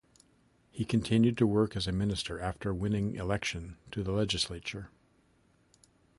He continued to work as a minister after winning election to the legislature.